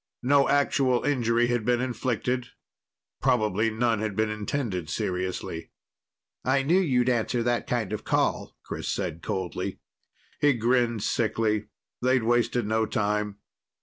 No actual injury had been inflicted. Probably none had been intended seriously. "I knew you'd answer that kind of call," Chris said coldly. He grinned sickly. They'd wasted no time.